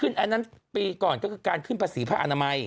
ขึ้นอันนั้นปีก่อนก็คือการขึ้นภาษีภาษณ์อนามัย